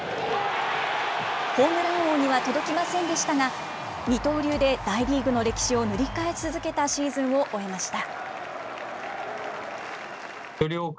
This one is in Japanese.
ホームラン王には届きませんでしたが、二刀流で大リーグの歴史を塗り替え続けたシーズンを終えました。